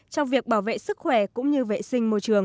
trong việc bảo vệ sức khỏe cũng như vệ sinh môi trường